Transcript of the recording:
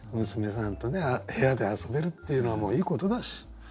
娘さんと部屋で遊べるっていうのはいいことだし。